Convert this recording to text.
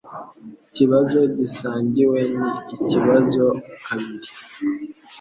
Ikibazo gisangiwe ni ikibazo kabiri